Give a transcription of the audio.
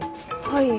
はい。